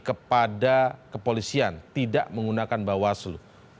kepada kepolisian tidak menggunakan bawaslu